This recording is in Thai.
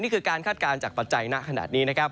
นี่คือการคาดการณ์จากปัจจัยหน้าขนาดนี้นะครับ